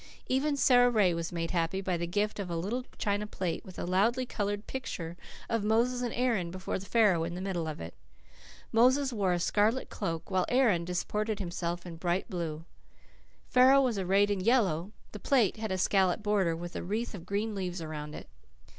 Even Sara Ray was made happy by the gift of a little china plate, with a loudly coloured picture of Moses and Aaron before Pharaoh in the middle of it. Moses wore a scarlet cloak, while Aaron disported himself in bright blue. Pharaoh was arrayed in yellow. The plate had a scalloped border with a wreath of green leaves around it.